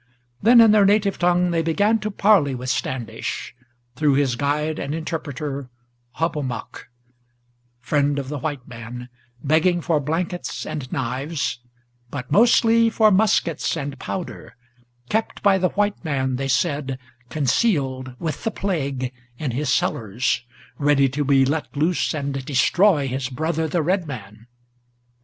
Then in their native tongue they began to parley with Standish, Through his guide and interpreter Hobomok, friend of the white man, Begging for blankets and knives, but mostly for muskets and powder, Kept by the white man, they said, concealed, with the plague, in his cellars, Ready to be let loose, and destroy his brother the red man!